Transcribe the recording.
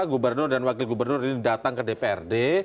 gubernur dan wakil gubernur ini datang ke dprd